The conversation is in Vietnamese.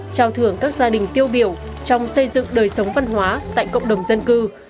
trao thưởng các gia đình tiêu biểu trong xây dựng đời sống văn hóa tại cộng đồng dân cư